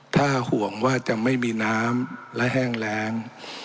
ถ้าห่วงว่าจะไม่มีน้ำและแห้งแรง